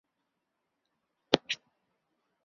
同年任湖北孝感专署专员。